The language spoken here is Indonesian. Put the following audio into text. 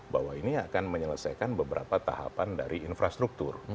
bahwa ini akan menyelesaikan beberapa tahapan dari infrastruktur